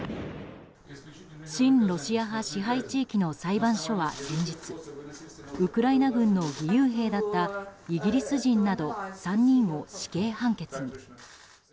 親ロシア派支配地域の裁判所は先日ウクライナ軍の義勇兵だったイギリス人など３人を死刑判決に。